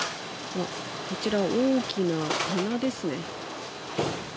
こちら、大きな棚ですね。